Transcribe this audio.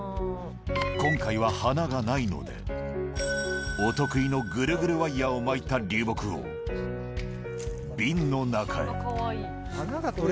今回は花がないので、お得意のグルグルワイヤーを巻いた流木を瓶の中へ。